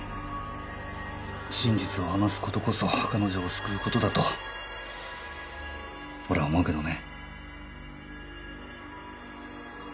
真実を話す事こそ彼女を救う事だと俺は思うけどね。